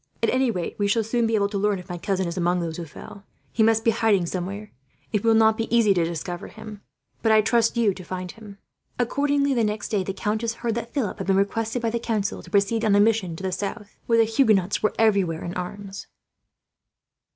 At any rate, we shall soon be able to learn if my cousin is among those who fell. If not, he must be in hiding somewhere. It will not be easy to discover him, but I trust to you to find him." Accordingly, the next day, the countess heard that Philip had been requested by the council to proceed on a mission to the south, where the Huguenots were everywhere in arms.